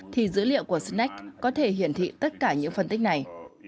thì dữ liệu của snack có thể hiển thị tất cả những phân tích này